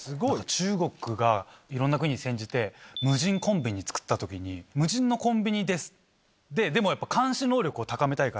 中国がいろんな国に先んじて無人コンビニ作った時に無人のコンビニですでも。